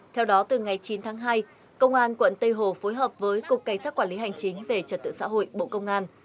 theo đó từ ngày chín tháng hai công an quận tây hồ phối hợp với cục cảnh sát quản lý hành chính về trật tự xã hội bộ công an